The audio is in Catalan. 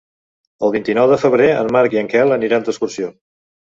El vint-i-nou de febrer en Marc i en Quel aniran d'excursió.